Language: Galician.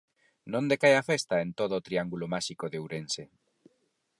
Non decae a festa en todo o triángulo máxico de Ourense.